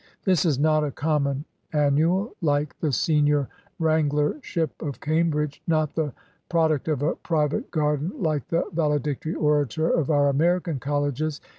This is not a common annual like the senior wranglership of Cambridge, not the prod uct of a private garden like the valedictory orator of our American colleges.